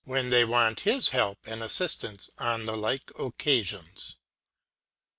S9 when they want his Help and AJfiftance on the like henevo, occafions.